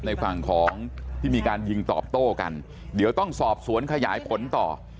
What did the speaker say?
ในฝั่งของที่มีการยิงตอบโต้กันเดี๋ยวต้องสอบสวนขยายผลต่อ